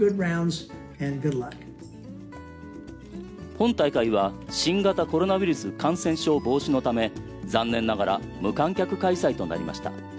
本大会は新型コロナウイルス感染症防止のため残念ながら無観客開催となりました。